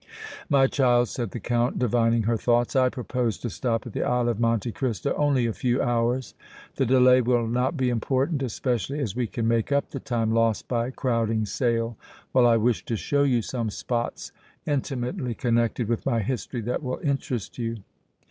"My child," said the Count, divining her thoughts, "I propose to stop at the Isle of Monte Cristo only a few hours; the delay will not be important, especially as we can make up the time lost by crowding sail, while I wish to show you some spots intimately connected with my history that will interest you."